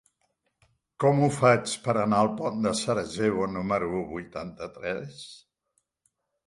Com ho faig per anar al pont de Sarajevo número vuitanta-tres?